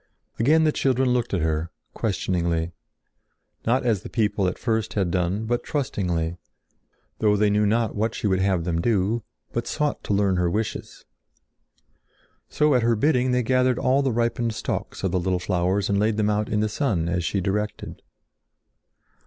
Again the children looked at her, questioningly; not as the people at first had done, but trustingly, though they knew not what she would have them do, but sought to learn her wishes. So at her bidding they gathered all the ripened stalks of the little flowers and laid them out in the sun as she directed.